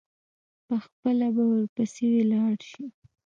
پخپله به ورپسي ولاړ شي.